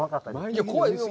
いや、怖いです。